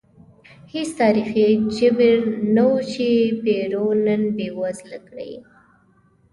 هېڅ تاریخي جبر نه و چې پیرو نن بېوزله کړي.